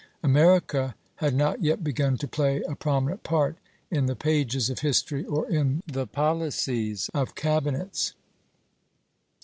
America had not yet begun to play a prominent part in the pages of history or in the policies of cabinets.